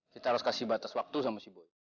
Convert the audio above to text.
kita harus kasih batas waktu sama si boya